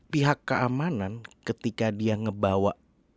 pihak keamanan ketika dia ngebawa